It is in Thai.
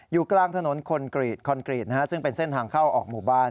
อยู่กลางถนนคนกรีตคอนกรีตซึ่งเป็นเส้นทางเข้าออกหมู่บ้าน